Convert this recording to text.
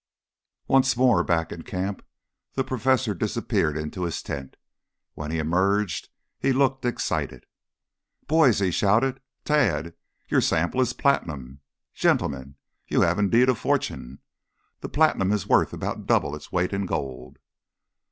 Once more back in the camp, the Professor disappeared into his tent. When he emerged he looked excited. "Boys!" he shouted. "Tad! Your sample is platinum! Gentlemen, you have indeed a fortune! The platinum is worth about double its weight in gold!"